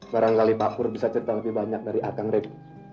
barangkali pak pur bisa cerita lebih banyak dari akangrip